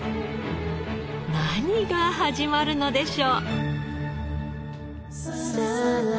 何が始まるのでしょう？